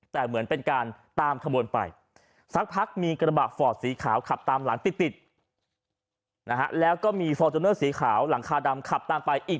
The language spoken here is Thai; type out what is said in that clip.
แต่เหมือนเป็นการตามข้างบนไป